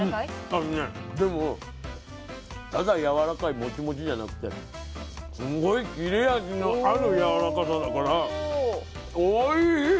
あのねでもただやわらかいモチモチじゃなくてすんごい切れ味のあるやわらかさだからおいしい！